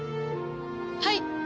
はい！